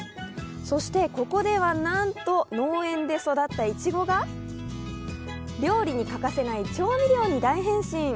そしてここではなんと農園で育ったいちごが料理に欠かせない調味料に大変身。